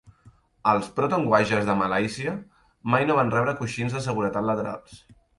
Els Proton Wajas de Malàisia mai no van rebre coixins de seguretat laterals.